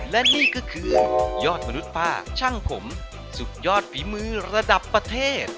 และนี่ก็คือยอดมนุษย์ป้าช่างผมสุดยอดฝีมือระดับประเทศ